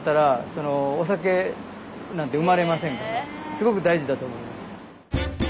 すごく大事だと思います。